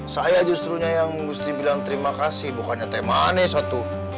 saya justrunya yang mesti bilang terima kasih bukannya temanis atu